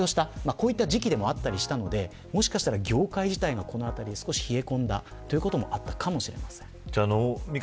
そういった時期でもあったりしたのでもしかしたら業界自体がこのあたり、少し冷え込んだということもあったかもしれません。